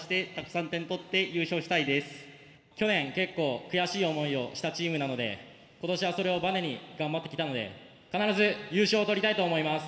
去年結構悔しい思いをしたチームなので今年はそれをばねに頑張ってきたので必ず優勝を取りたいと思います。